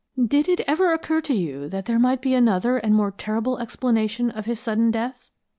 "Did it ever occur to you that there might be another and more terrible explanation of his sudden death?"